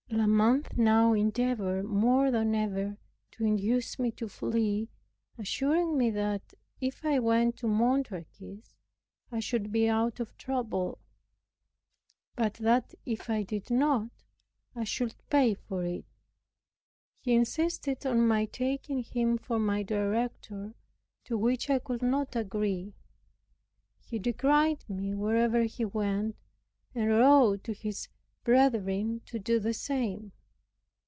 La Mothe now endeavored more than ever to induce me to flee, assuring me that, if I went to Montargis, I should be out of all trouble; but that if I did not, I should pay for it. He insisted on my taking himself for my director, to which I could not agree. He decried me wherever he went, and wrote to his brethren to do the same.